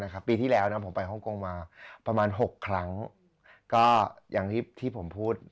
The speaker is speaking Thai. ปีที่แล้วผมไปฮ่องกงมาประมาณ๖ครั้งก็อย่างที่ผมพูด